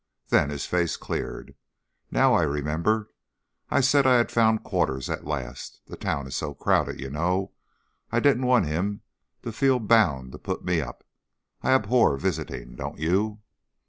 Then his face cleared. "Now I remember I said I had found quarters at last. The town is so crowded, you know; I didn't want him to feel bound to put me up. I abhor visiting. Don't you?"